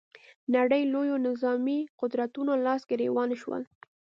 نړۍ لویو نظامي قدرتونو لاس ګرېوان شول